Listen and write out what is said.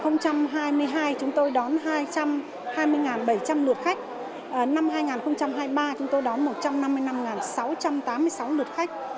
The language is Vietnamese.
năm hai nghìn hai mươi hai chúng tôi đón hai trăm hai mươi bảy trăm linh lượt khách năm hai nghìn hai mươi ba chúng tôi đón một trăm năm mươi năm sáu trăm tám mươi sáu lượt khách